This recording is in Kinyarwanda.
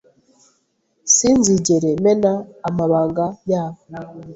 sinzigere mena amabanga yabo